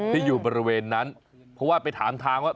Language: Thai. ที่อยู่บริเวณนั้นเพราะว่าไปถามทางว่า